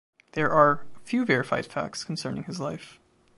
There are few verified facts concerning his life.